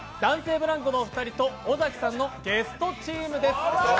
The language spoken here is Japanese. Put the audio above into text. ブランコさんと尾崎さんのゲストチームです。